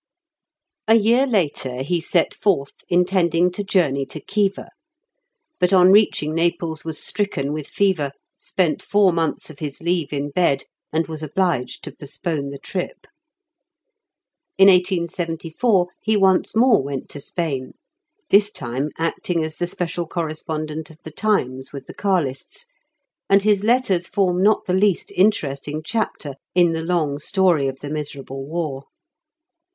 A year later he set forth intending to journey to Khiva, but on reaching Naples was striken with fever, spent four months of his leave in bed, and was obliged to postpone the trip. In 1874 he once more went to Spain, this time acting as the special correspondent of the Times with the Carlists, and his letters form not the least interesting chapter in the long story of the miserable war.